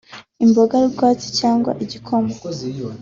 imbogarwatsi cyangwa igikoma